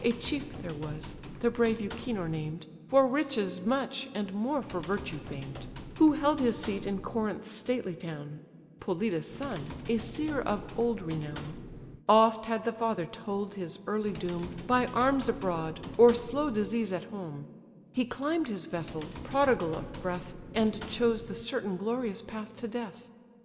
A chief there was, the brave Euchenor named, For riches much, and more for virtue famed. Who held his seat in Corinth's stately town; Polydus' son, a seer of old renown. Oft had the father told his early doom, By arms abroad, or slow disease at home: He climb'd his vessel, prodigal of breath, And chose the certain glorious path to death.